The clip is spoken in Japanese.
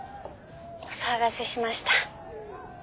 お騒がせしました。